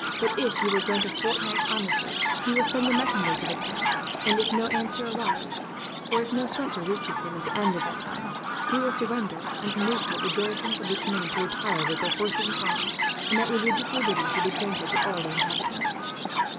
But if you will grant a fortnight's armistice, he will send a messenger to the prince; and if no answer arrives, or if no succour reaches him at the end of that time, he will surrender; on condition that the garrison shall be permitted to retire, with their horses and arms, and that religious liberty shall be granted to all the inhabitants."